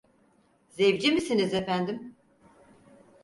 Zevci misiniz efendim?